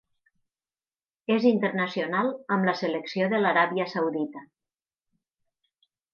És internacional amb la selecció de l'Aràbia Saudita.